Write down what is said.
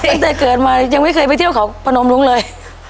ตั้งแต่เกิดมายังไม่เคยไปเที่ยวเขาพนมรุ้งเลย